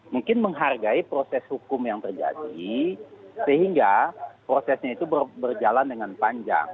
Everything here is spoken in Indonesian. mungkin menghargai proses hukum yang terjadi sehingga prosesnya itu berjalan dengan panjang